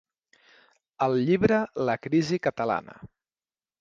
Al llibre La crisi catalana.